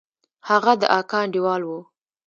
هغه د اکا انډيوال و.